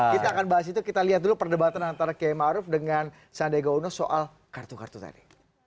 kita akan bahas itu kita lihat dulu perdebatan antara kiai ⁇ maruf ⁇ dengan sandega uno soal kartu kartu tadi